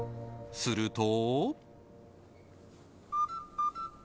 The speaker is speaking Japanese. すると。